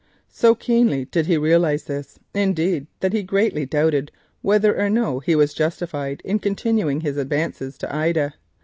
So keenly did he realise this, indeed, that he greatly doubted whether or no he was justified in continuing his advances to Ida.